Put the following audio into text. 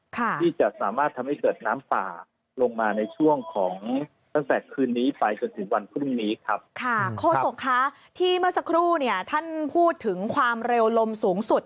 ค่ะโค้นบอกคะที่เมื่อสักครู่เนี่ยท่านพูดถึงความเร็วลมสูงสุด